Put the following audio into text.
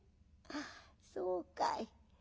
そうかい。